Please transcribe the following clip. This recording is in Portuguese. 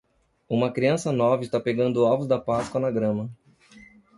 Uma criança nova está pegando ovos da páscoa na grama.